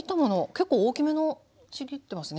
結構大きめのちぎってますね